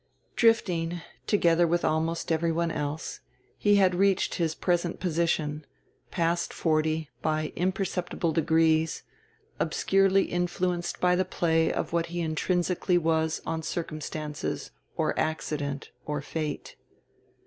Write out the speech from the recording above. Drifting, together with almost everyone else, he had reached his present position, past forty, by imperceptible degrees, obscurely influenced by the play of what he intrinsically was on circumstances or accident or fate.